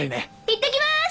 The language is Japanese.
いってきます！